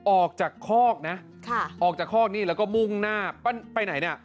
ออกจากคอกนะออกจากคอกนี่แล้วก็มุ่งหน้าไปไหนเนี่ย